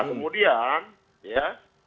nah kemudian ya